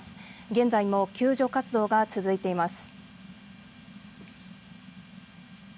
現在も救助活動が続いています。